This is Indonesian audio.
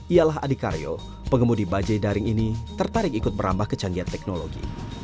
ialah adikaryo pengemudi bajaj daring ini tertarik ikut merambah kecanggihan teknologi